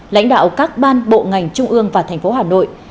lãnh đạo các ban bộ ngành trung ương và thành phố hà nội